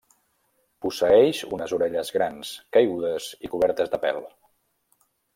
Posseeix unes orelles grans, caigudes i cobertes de pèl.